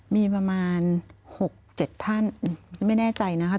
มีประมาณ๖๗ท่านไม่แน่ใจนะครับ